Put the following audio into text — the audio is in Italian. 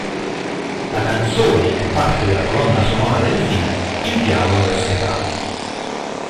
La canzone è parte della colonna sonora del film Il diavolo veste Prada.